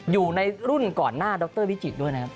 อยู่ในรุ่นก่อนหน้าดรวิจิตรด้วยนะครับ